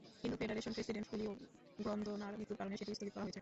কিন্তু federation president Julio গ্রন্দোনার মৃত্যুর কারণে সেটি স্থগিত করা হয়েছে।